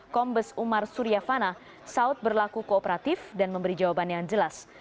kombes umar suryafana saud berlaku kooperatif dan memberi jawaban yang jelas